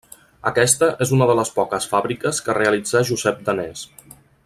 Aquesta és una de les poques fàbriques que realitzà Josep Danés.